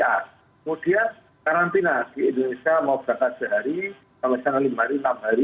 kemudian karantina di indonesia mau berangkat sehari sampai sana lima hari enam hari